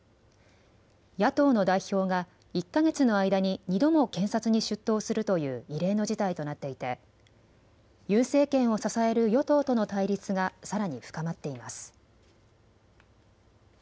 野党の代表が１か月の間に２度も検察に出頭するという異例の事態となっていてユン政権を支える与党との対立がさらに深まっています。